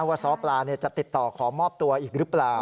ซ้อปลาจะติดต่อขอมอบตัวอีกหรือเปล่า